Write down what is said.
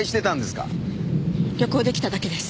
旅行で来ただけです。